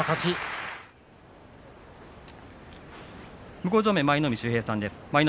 向正面舞の海秀平さんです。